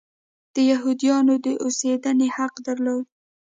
د یهودیانو د اوسېدنې حق درلود.